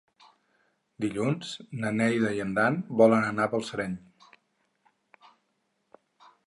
Dilluns na Neida i en Dan volen anar a Balsareny.